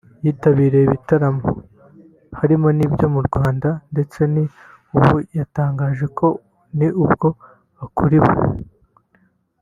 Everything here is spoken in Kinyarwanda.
yitabira ibitaramo harimo n'ibyo mu Rwanda ndetse n’ubu yatangaje ko n’ubwo akuriwe